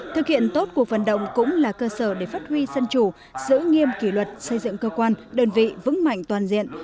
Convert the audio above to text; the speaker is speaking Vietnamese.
thực hiện tốt cuộc vận động cũng là cơ sở để phát huy dân chủ giữ nghiêm kỷ luật xây dựng cơ quan đơn vị vững mạnh toàn diện